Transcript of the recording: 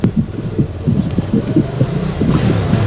তবে কাশির সঙ্গে যদি জ্বর হয়, তাহলে কিন্তু গুরুত্ব দিতে হবে।